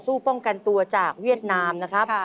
ป้องกันตัวจากเวียดนามนะครับ